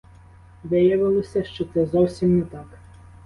Виявилося, що це зовсім не так.